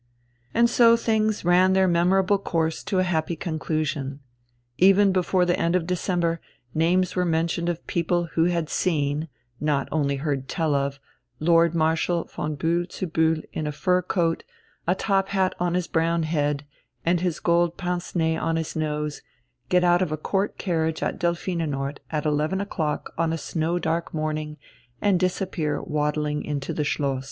And so things ran their memorable course to a happy conclusion. Even before the end of December names were mentioned of people who had seen (not only heard tell of) Lord Marshal von Bühl zu Bühl in a fur coat, a top hat on his brown head, and his gold pince nez on his nose, get out of a Court carriage at Delphinenort, at 11 o'clock on a snow dark morning, and disappear waddling into the Schloss.